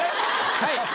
はい！